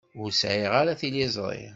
Ur sɛiɣ ara tiliẓri.